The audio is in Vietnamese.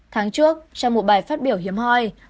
tháng trước trong một bài phát biểu hiếm hoi